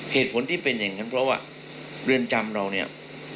เหตุผลที่เป็นอย่างนั้นเพราะว่าเรือนจำเราเนี่ย